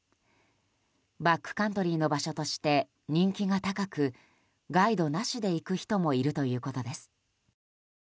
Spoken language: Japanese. バックカントリーの場所として人気が高くガイドなしで行く人もいるということです。